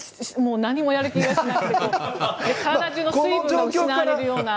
何もやる気が起きなくなり体中の水分が失われるような。